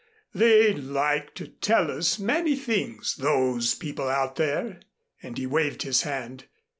They'd like to tell us many things those people out there," and he waved his hand.